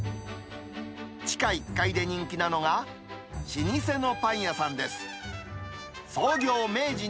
地下１階で人気なのが、老舗のパン屋さんです。